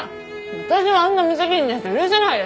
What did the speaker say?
私はあんな無責任な人許せないです。